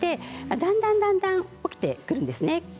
だんだん起きてくるんですね。